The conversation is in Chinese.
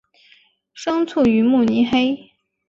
生卒于慕尼黑。